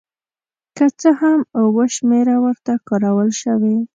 که څه هم اوه شمېره ورته کارول شوې.